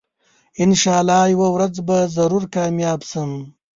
انشاالله یوه ورځ به ضرور کامیاب شم